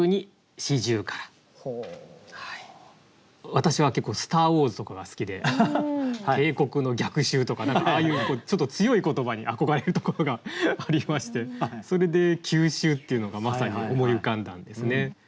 私は結構「スター・ウォーズ」とかが好きで「帝国の逆襲」とかああいうちょっと強い言葉に憧れるところがありましてそれで「急襲」っていうのがまさに思い浮かんだんですね。